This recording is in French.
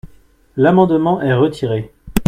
L’amendement est retiré.